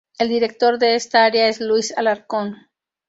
El director de esta área es Luis Alarcón.